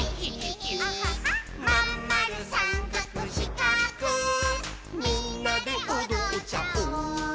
「まんまるさんかくしかくみんなでおどっちゃおう」